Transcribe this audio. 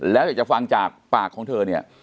แล้วอยากจะฟังจากปากของเธอเนี่ย